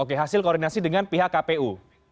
oke hasil koordinasi dengan pihak kpu